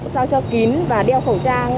sao cho kín và đeo khẩu trang